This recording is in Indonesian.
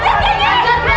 buatin kok disaster